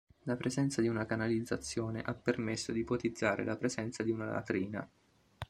La presenza di una canalizzazione ha permesso di ipotizzare la presenza di una latrina.